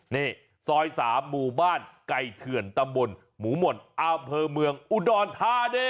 นี่ซอย๓บูบ้านไก่เถื่อนตะบนหมูหม่นอัลเภอเมืองอุดรท่าเด้